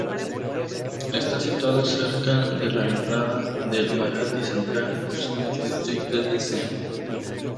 Está situado cerca de la entrada del Makati Central Business District desde Sen.